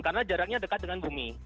karena jaraknya dekat dengan bumi